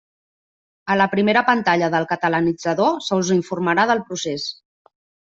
A la primera pantalla del Catalanitzador se us informarà del procés.